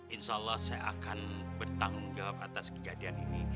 insya allah saya akan bertanggung jawab atas kejadian ini